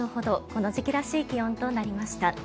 この時期らしい気温となりました。